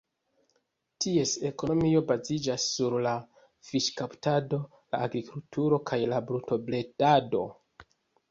Ties ekonomio baziĝas sur la fiŝkaptado, la agrikulturo kaj la brutobredado.